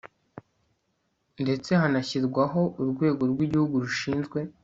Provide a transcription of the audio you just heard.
ndetse hanashyirwaho urwego rw'igihugu rushinzwe